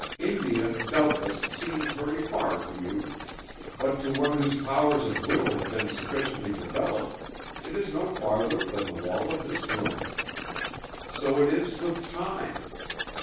India, doubtless, seems very far to you, but to one whose powers of will have been sufficiently developed, it is no farther than the wall of this room. So it is with time.